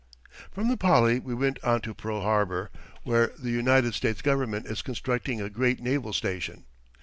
From the Pali we went on to Pearl Harbour, where the United States Government is constructing a great naval station.